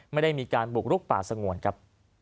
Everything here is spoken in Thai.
ไม่ได้มีการบุกลุกป่าสงวนครับ